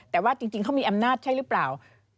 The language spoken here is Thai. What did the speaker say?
แต่ว่าจริงเขามีอำนาจใช่หรือเปล่า